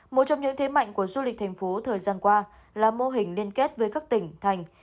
một trong những thế mạnh của du lịch thành phố thời gian qua là mô hình liên kết với các tỉnh thành